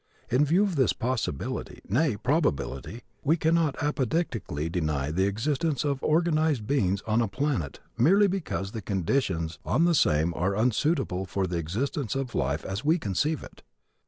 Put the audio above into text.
In view of this possibility nay, probability we cannot apodictically deny the existence of organized beings on a planet merely because the conditions on the same are unsuitable for the existence of life as we conceive it.